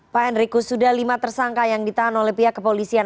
pak henriku sudah lima tersangka yang ditahan oleh pihak kepolisian